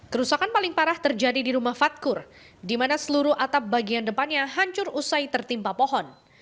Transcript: kerusakan paling parah terjadi di rumah fatkur di mana seluruh atap bagian depannya hancur usai tertimpa pohon